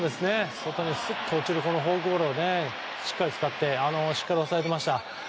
外にすっと落ちるフォークボールをしっかり使ってしっかり抑えました。